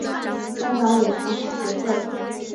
香港五常法协会